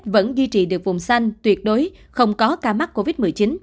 vẫn duy trì được vùng xanh tuyệt đối không có ca mắc covid một mươi chín